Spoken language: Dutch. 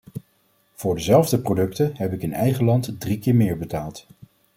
Voor dezelfde producten heb ik in eigen land drie keer meer betaald.